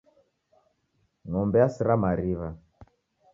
Ng'ombe yasira mariw'a.